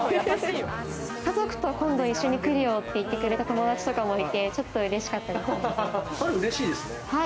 家族と今度一緒に来るよって言ってくれた友達とかもいて、うれしかったですね。